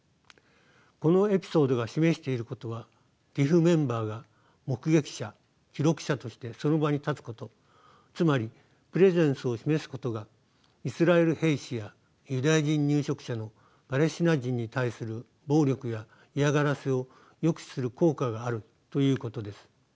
このエピソードが示していることはＴＩＰＨメンバーが「目撃者」「記録者」としてその場に立つことつまりプレゼンスを示すことがイスラエル兵士やユダヤ人入植者のパレスチナ人に対する暴力や嫌がらせを抑止する効果があるということです。